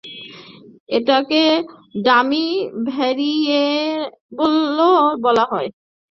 এটাকে ডামি ভ্যারিয়েবলও বলা হয়।